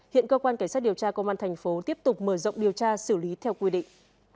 hiện cơ quan cảnh sát điều tra công an thành phố tiếp tục mở rộng điều tra xử lý theo quy định